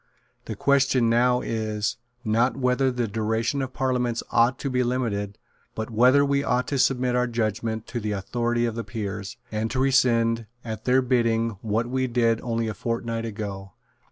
The question now is, not whether the duration of parliaments ought to be limited, but whether we ought to submit our judgment to the authority of the Peers, and to rescind, at their bidding, what we did only a fortnight ago.